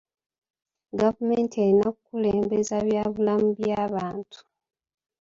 Gavumenti erina kukulembeza bya bulamu by'abantu.